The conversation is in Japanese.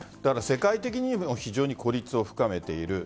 世界的にも非常に孤立を深めている。